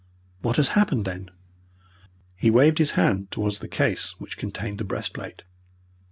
"What has happened, then?" He waved his hand towards the case which contained the breastplate.